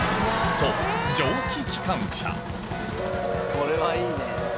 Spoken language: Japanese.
これはいいね。